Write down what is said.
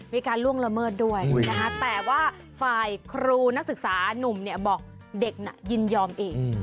มีการล่วงละเมิดด้วยแต่ว่าฝ่ายครูนักศึกษานุ่มบอกเด็กน่ะยินยอมเอง